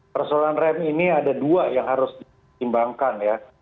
persoalan rem ini ada dua yang harus ditimbangkan ya